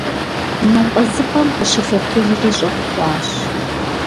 НапӀэзыпӀэм къыщылъэтыжри, щӀэпхъуащ.